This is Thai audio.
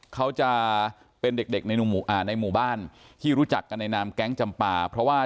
เขาจะเป็นเด็กในหมู่บ้านที่รู้จักกันนายนามแก๊งจำปา